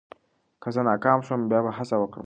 که زه ناکام شوم، بیا به هڅه وکړم.